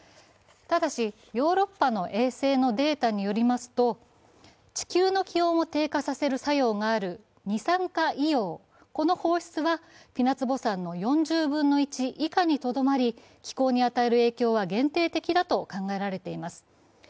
ただし、ヨーロッパの衛星のデータによりますと地球の気温を低下させる作用がある二酸化硫黄の放出は、ピナツボ山の４０分の１以下にとどまり気候に与える影響は限定的だと考えられています。